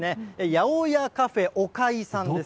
八百屋カフェオカイさんです。